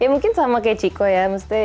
ya mungkin sama kayak chico ya